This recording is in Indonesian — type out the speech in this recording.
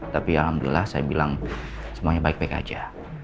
tapi alhamdulillah saya bilang semuanya baik baik aja